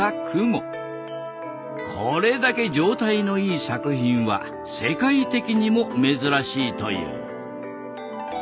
これだけ状態のいい作品は世界的にも珍しいという。